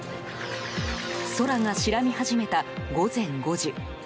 空が白み始めた午前５時。